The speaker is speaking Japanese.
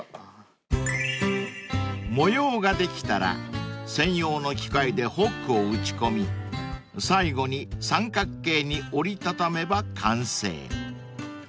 ［模様ができたら専用の機械でホックを打ち込み最後に三角形に折り畳めば完成］